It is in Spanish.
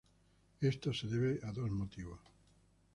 Esto se debe a dos motivos.